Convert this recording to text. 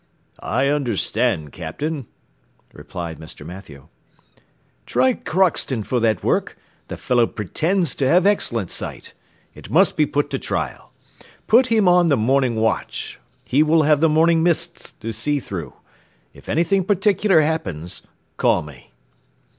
"I understand, Captain," replied Mr. Mathew. "Try Crockston for that work; the fellow pretends to have excellent sight; it must be put to trial; put him on the morning watch, he will have the morning mists to see through. If anything particular happens call me."